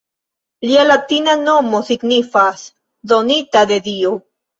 Lia latina nomo signifas “donita de dio“.